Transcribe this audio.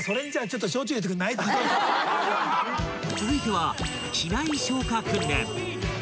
［続いては］